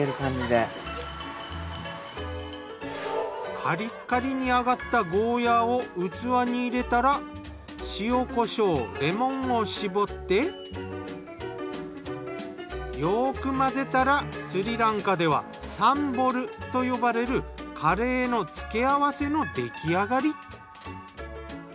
カリッカリに揚がったゴーヤーを器に入れたら塩コショウレモンを絞ってよく混ぜたらスリランカではサンボルと呼ばれるカレーのつけあわせの出来上がり。